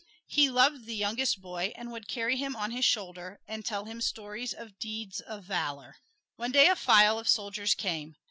He loved the youngest boy and would carry him on his shoulder and tell him stories of deeds of valor. One day a file of soldiers came.